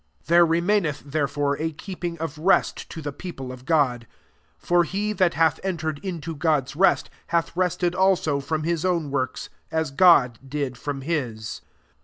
9 There remaineth therefore a keeping of rest to the people of God. 10 For he that hath entered into God*8 rest, hath rested also from his own works, as God did from his.